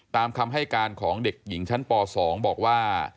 ตามคำให้การของเด็กหญิงชั้นป๒บอกว่า